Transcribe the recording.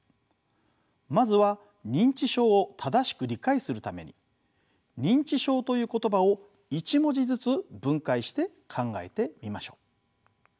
まずは認知症を正しく理解するために認知症という言葉を一文字ずつ分解して考えてみましょう。